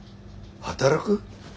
働く？